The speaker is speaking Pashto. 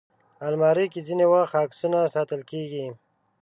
الماري کې ځینې وخت عکسونه ساتل کېږي